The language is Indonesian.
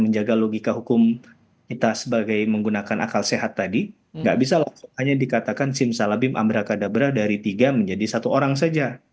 jadi kalau kita menggunakan akal sehat tadi tidak bisa langsung hanya dikatakan simsalabim amra kadabra dari tiga menjadi satu orang saja